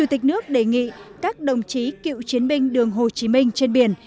đồng nghĩ các đồng chí cựu chiến binh đường hồ chí minh trên biển